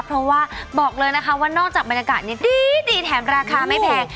เพราะว่าบอกเลยนะคะว่านอกจากบรรยากาศนี้ดีแถมราคาไม่แพง